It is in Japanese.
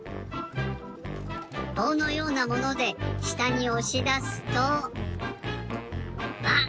ぼうのようなものでしたにおしだすとわっ！